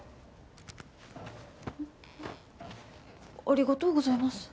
ありがとうございます。